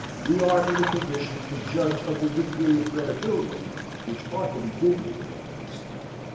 we are in a condition to judge of the degree of credibility which ought to be given to the lad's statement.